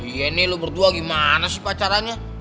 iya nih lu berdua gimana sih pacarannya